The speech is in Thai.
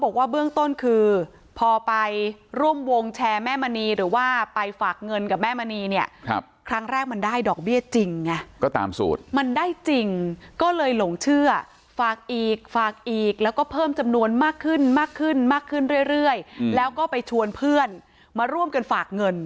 บอกว่าเบื้องต้นคือพอไปร่วมวงแชร์แม่มณีหรือว่าไปฝากเงินกับแม่มณีเนี่ยครั้งแรกมันได้ดอกเบี้ยจริงไงก็ตามสูตรมันได้จริงก็เลยหลงเชื่อฝากอีกฝากอีกแล้วก็เพิ่มจำนวนมากขึ้นมากขึ้นมากขึ้นเรื่อยแล้วก็ไปชวนเพื่อนมาร่วมกันฝากเงิน